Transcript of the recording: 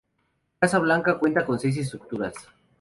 Casa Blanca cuenta con seis estructuras.